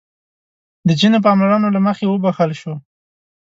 د ځينو پاملرنو له مخې وبښل شو.